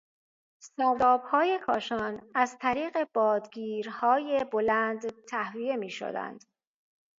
سردابهای کاشان از طریق بادگیریهای بلند تهویه میشدند.